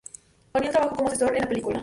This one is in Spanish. O'Neill trabajó como asesor en la película.